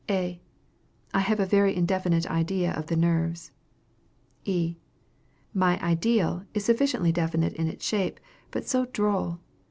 A. I have a very indefinite idea of the nerves. E. My ideal is sufficiently definite in its shape, but so droll!